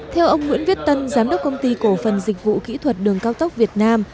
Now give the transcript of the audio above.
theo ông nguyễn viết tân giám đốc công ty cổ phần dịch vụ kỹ thuật đường cao tốc việt nam